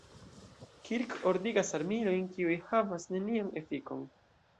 Kirk ordigas armilojn, kiu havas nenian efikon.